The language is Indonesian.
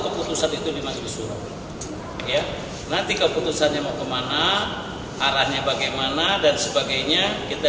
keputusan itu dimasukkan suruh ya nanti keputusannya mau kemana arahnya bagaimana dan sebagainya kita